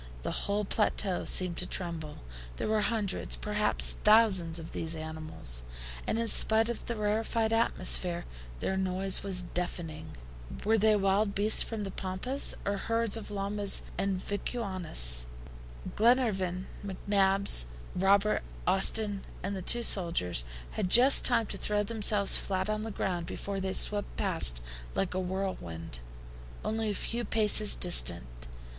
The whole plateau seemed to tremble. There were hundreds, perhaps thousands, of these animals, and in spite of the rarefied atmosphere, their noise was deafening. Were they wild beasts from the Pampas, or herds of llamas and vicunas? Glenarvan, McNabbs, Robert, Austin, and the two sailors, had just time to throw themselves flat on the ground before they swept past like a whirlwind, only a few paces distant.